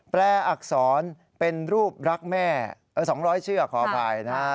แปลอักษรเป็นรูปรักแม่๒๐๐เชือกขออภัยนะฮะ